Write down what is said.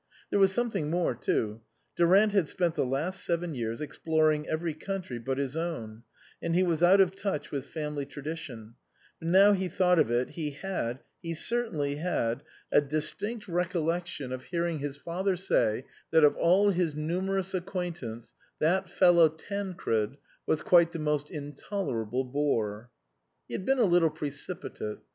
There was something more, too. Durant had spent the last seven years exploring every country but his own, and he was out of touch with family tradition ; but now he thought of it he had he certainly had a distinct recol 3 THE COSMOPOLITAN lection of hearing his father say that of all his numerous acquaintance that fellow Tancred was quite the most intolerable bore. He had been a little precipitate.